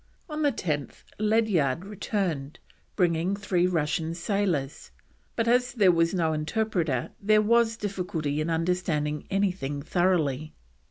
On the 10th Ledyard returned, bringing three Russian sailors, but as there was no interpreter there was difficulty in understanding anything thoroughly.